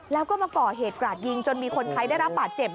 แล้วก็มาก่อเหตุกราดยิงจนมีคนไทยได้รับบาดเจ็บ